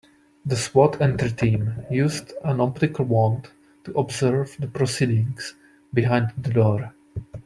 The S.W.A.T. entry team used an optical wand to observe the proceedings behind the door.